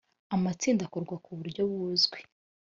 amatsinda akorwa ku buryo buzwi